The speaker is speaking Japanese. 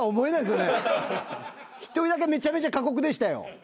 １人だけめちゃめちゃ過酷でしたよ。